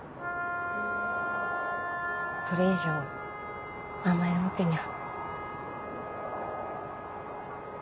これ以上甘えるわけには。